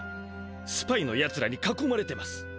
スパイのやつらにかこまれてます。